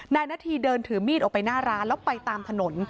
นาทีเดินถือมีดออกไปหน้าร้านแล้วไปตามถนน